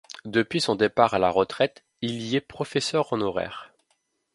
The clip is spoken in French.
Depuis son départ à la retraite, il y est professeur honoraire.